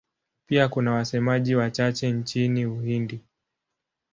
Pia kuna wasemaji wachache nchini Uhindi.